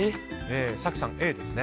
早紀さん、Ａですね。